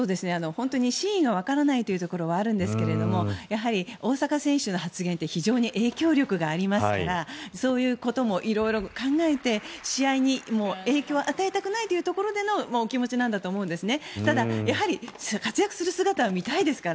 真意がわからないところはあるんですがやはり大坂選手の発言って非常に影響力がありますからそういうことも色々考えて、試合に影響を与えたくないというところでのお気持ちなんだと思うんですね。